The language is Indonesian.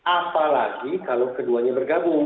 apalagi kalau keduanya bergabung